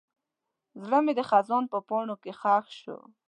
زړه مې د خزان په پاڼو کې ښخ شو.